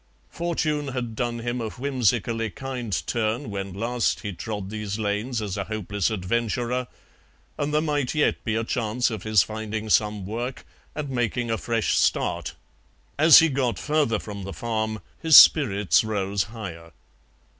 Fortune had done him a whimsically kind turn when last he trod these lanes as a hopeless adventurer, and there might yet be a chance of his finding some work and making a fresh start; as he got further from the farm his spirits rose higher.